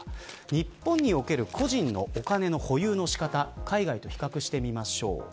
日本における個人のお金の保有の仕方海外と比較してみましょう。